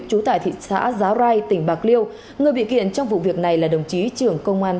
trú tại thị xã giá rai tỉnh bạc liêu người bị kiện trong vụ việc này là đồng chí trưởng công an